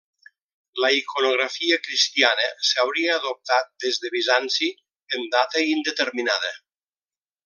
La iconografia cristiana s'hauria adoptat des de Bizanci en data indeterminada.